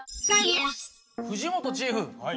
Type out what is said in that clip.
藤本チーフ。